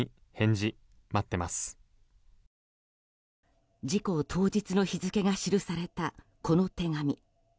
事故当日の日付が記されたこの手紙。